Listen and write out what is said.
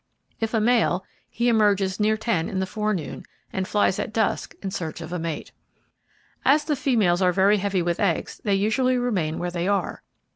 If a male, he emerges near ten in the forenoon, and flies at dusk in search of a mate. As the females are very heavy with eggs, they usually remain where they are.